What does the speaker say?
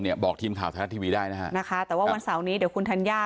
บอกทีมข่าวไทยรัฐทีวีได้นะฮะนะคะแต่ว่าวันเสาร์นี้เดี๋ยวคุณธัญญา